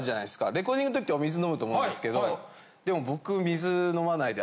レコーディングの時ってお水飲むと思うんですけどでも僕。